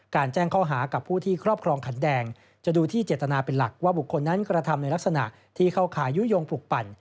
แจ้งข้อหากับผู้ที่ครอบครองขันแดงจะดูที่เจตนาเป็นหลักว่าบุคคลนั้นกระทำในลักษณะที่เข้าข่ายยุโยงปลูกปั่น